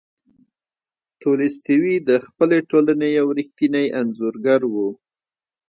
تولستوی د خپلې ټولنې یو ریښتینی انځورګر و.